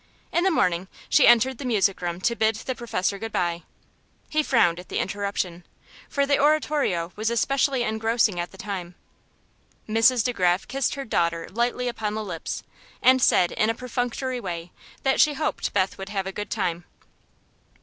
In the morning she entered the music room to bid the Professor good bye. He frowned at the interruption, for the oratorio was especially engrossing at the time. Mrs. De Graf kissed her daughter lightly upon the lips and said in a perfunctory way that she hoped Beth would have a good time.